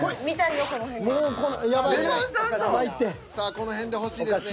この辺で欲しいですね。